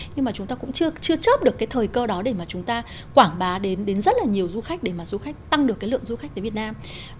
nhưng mà chúng ta cũng chưa chấp được cái thời cơ đó để mà chúng ta quảng bá đến đến rất là nhiều du khách để mà du khách tăng được cái lượng du khách tới việt nam